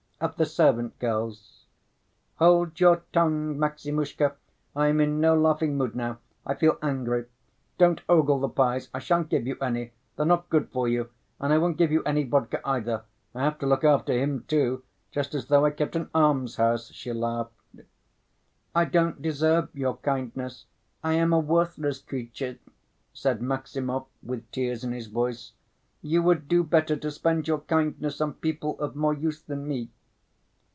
"Of the servant girls." "Hold your tongue, Maximushka, I am in no laughing mood now; I feel angry. Don't ogle the pies. I shan't give you any; they are not good for you, and I won't give you any vodka either. I have to look after him, too, just as though I kept an almshouse," she laughed. "I don't deserve your kindness. I am a worthless creature," said Maximov, with tears in his voice. "You would do better to spend your kindness on people of more use than me."